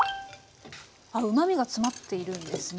うまみが詰まっているんですね